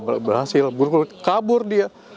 kalau berhasil kabur dia